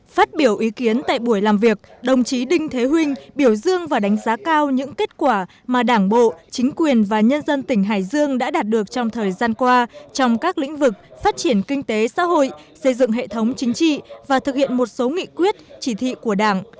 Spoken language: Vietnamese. phát biểu ý kiến tại buổi làm việc đồng chí đinh thế huynh biểu dương và đánh giá cao những kết quả mà đảng bộ chính quyền và nhân dân tỉnh hải dương đã đạt được trong thời gian qua trong các lĩnh vực phát triển kinh tế xã hội xây dựng hệ thống chính trị và thực hiện một số nghị quyết chỉ thị của đảng